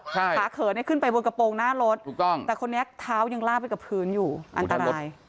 ขาเผลอขึ้นไปบนกระโปรงหน้ารถแต่คนนี้ท้ายังลาดไปกับพื้นอยู่อันตราย